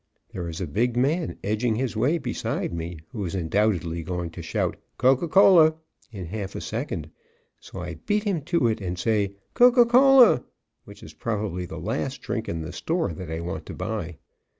There is a big man edging his way beside me who is undoubtedly going to shout "Coca Cola" in half a second. So I beat him to it and say, "Coca Cola," which is probably the last drink in the store that I want to buy.